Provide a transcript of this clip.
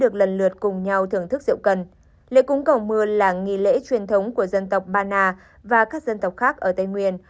lễ cúng cầu mưa là nghi lễ truyền thống của dân tộc bana và các dân tộc khác ở tây nguyên